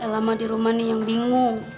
lama di rumah nih yang bingung